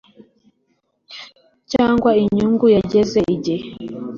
cyangwa inyungu yageze igihe